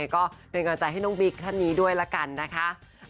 ก็เป็นกำลังใจให้น้องบิ๊กท่านนี้ด้วยละกันนะคะ